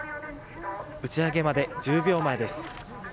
打ち上げまで１０秒前です。